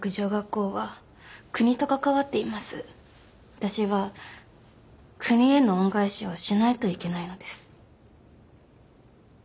私は国への恩返しをしないといけないのです。